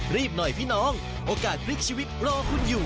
รีบหน่อยพี่น้องโอกาสพลิกชีวิตรอคุณอยู่